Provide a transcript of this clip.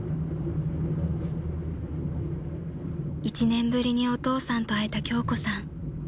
［１年ぶりにお父さんと会えた京子さん］